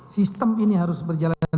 sistem ini harus berjalan dengan baik